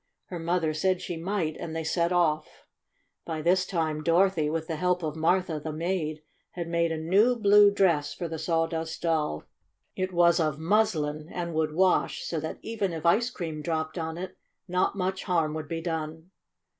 Her mother said she might, and they set off. By this time Dorothy, with the help of Martha, the maid, had made a new blue dress for the Sawdust Doll. It was of 108 STORY OF A SAWDUST DOLL muslin, and would wash, so that even if ice cream dropped on it not much harm would be done.